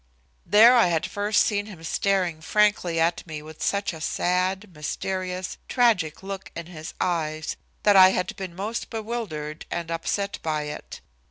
There I had first seen him staring frankly at me with such a sad, mysterious, tragic look in his eyes that I had been most bewildered and upset by it.